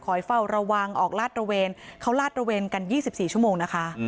เฝ้าระวังออกลาดระเวนเขาลาดระเวนกัน๒๔ชั่วโมงนะคะ